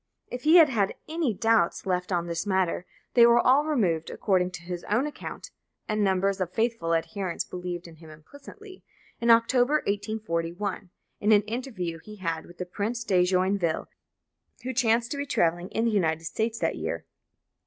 If he had had any doubts left on this matter, they were all removed, according to his own account (and numbers of his faithful adherents believed in him implicitly), in October 1841, in an interview he had with the Prince de Joinville, who chanced to be travelling in the United States that year.